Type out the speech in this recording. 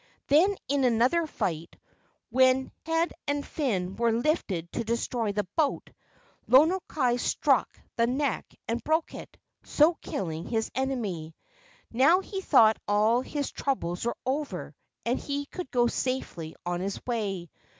Then in another fight, when head and fin were lifted to destroy the boat, Lono kai struck the neck and broke it, so killing his enemy. Now he thought all his troubles were over and he could go safely on his way.